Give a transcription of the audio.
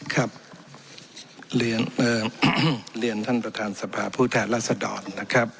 ครับเรียนท่านประธานสภาผู้แทนรัศดรนะครับ